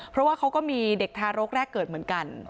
เพราะว่าเขาก็มีเด็กทารกแรกเกิดเหมือนกัน